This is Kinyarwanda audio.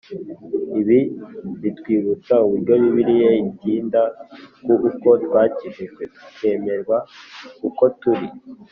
Ibi bitwibutsa uburyo Bibiliya itinda ku uko twakijijwe tukemerwa uko turi